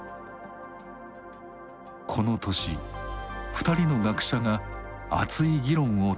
この年２人の学者が熱い議論を戦わせます。